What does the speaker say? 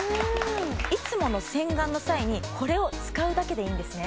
いつもの洗顔の際にこれを使うだけでいいんですね